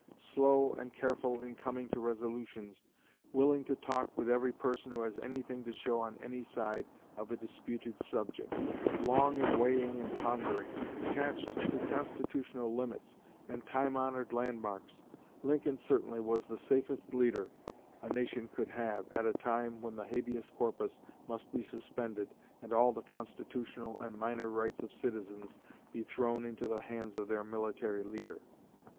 Slow and careful in coming to resolutions, willing to talk with every person who has anything to show on any side of a disputed subject, long in weighing and pondering, attached to constitutional limits and time honored landmarks, Lincoln certainly was the safest leader a nation could have at a time when the habeas corpus must be suspended and all the constitutional and minor rights of citizens be thrown into the hands of their military leader.